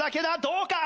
どうか？